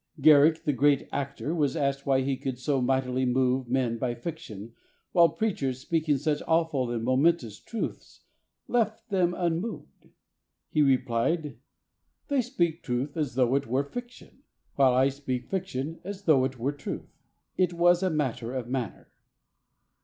Garrick, the great actor, was asked why he could so mightily move men by fiction, while preachers, speaking such awful and momentous truths, left them unmoved. He "so SPAKE." 157 replied, "They speak truth as though it were fiction, while I speak fiction as though it were truth." It was a matter of manner.